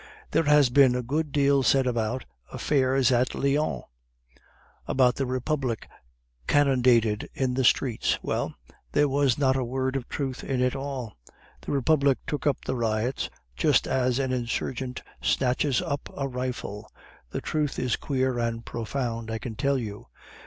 "There has been a good deal said about affairs at Lyons; about the Republic cannonaded in the streets; well, there was not a word of truth in it all. The Republic took up the riots, just as an insurgent snatches up a rifle. The truth is queer and profound, I can tell you.